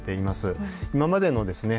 今までのですね